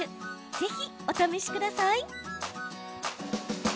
ぜひお試しください。